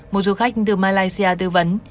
một du khách từ malaysia tư vấn